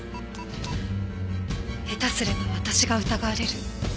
下手すれば私が疑われる。